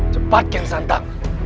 cepat kian santang